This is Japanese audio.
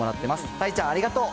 たいちゃん、ありがとう。